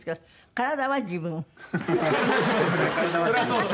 「体は自分」。